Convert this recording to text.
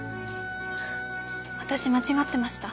私間違ってました。